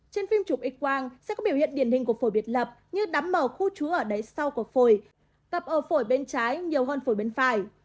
trên phim chụp x quang sẽ có biểu hiện điển hình của phổi biệt lập như đắm màu khu trú ở đáy sau của phổi tập ở phổi bên trái nhiều hơn phổi bên phải